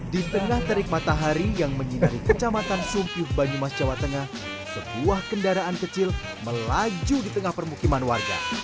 di tengah terik matahari yang menyinari kecamatan sumpik banyumas jawa tengah sebuah kendaraan kecil melaju di tengah permukiman warga